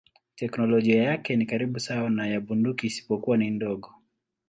Teknolojia yake ni karibu sawa na ya bunduki isipokuwa ni ndogo.